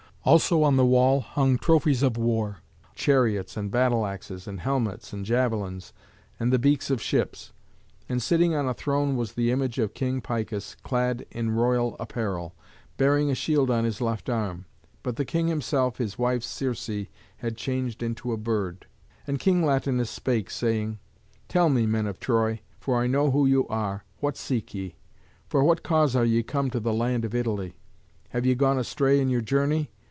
Also on the wall hung trophies of war, chariots, and battle axes, and helmets, and javelins, and the beaks of ships. And sitting on a throne was the image of King Picus, clad in royal apparel, bearing a shield on his left arm. But the king himself his wife Circé had changed into a bird. And King Latinus spake, saying, "Tell me, men of Troy, for I know you who you are, what seek ye? For what cause are ye come to the land of Italy? Have ye gone astray in your journey?